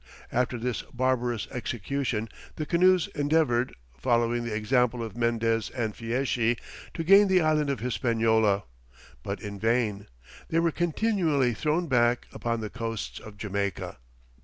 After this barbarous execution, the canoes endeavoured, following the example of Mendez and Fieschi, to gain the island of Hispaniola, but in vain, they were continually thrown back upon the coasts of Jamaica.